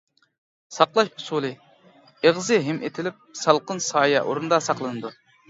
ساقلاش ئۇسۇلى ئېغىزى ھىم ئېتىلىپ، سالقىن سايە ئورۇندا ساقلىنىدۇ.